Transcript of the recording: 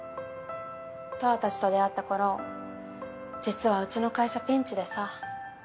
トアたちと出会った頃実はうちの会社ピンチでさ。